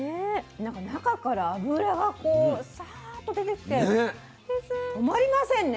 なんか中から脂がこうサーッと出てきて止まりませんね